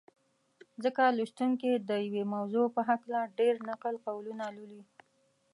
ځکه لوستونکي د یوې موضوع په هکله ډېر نقل قولونه لولي.